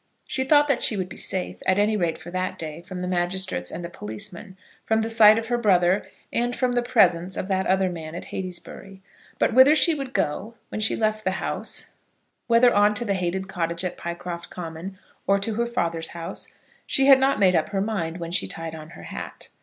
She thought that she would be safe, at any rate for that day, from the magistrates and the policemen, from the sight of her brother, and from the presence of that other man at Heytesbury. But whither she would go when she left the house, whether on to the hated cottage at Pycroft Common, or to her father's house, she had not made up her mind when she tied on her hat.